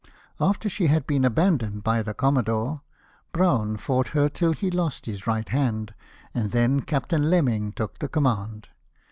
After she had been abandoned by the commodore. Braun fought her till he lost his right hand, and then Captain Lemming took the command.